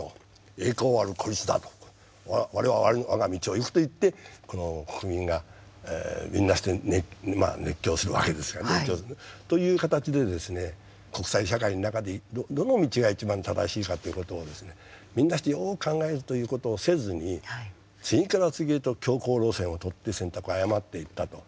「栄光ある孤立だ」と「我は我が道を行く」といって国民がみんなして熱狂するわけですからね。という形でですね国際社会の中でどの道が一番正しいかということをみんなしてよく考えるということをせずに次から次へと強硬路線を取って選択を誤っていったと。